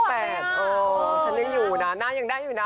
ฉันยังอยู่นะหน้ายังได้อยู่นะ